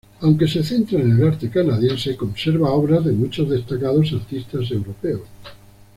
Aunque se centra en el arte canadiense, conserva obras de muchos destacados artistas europeos.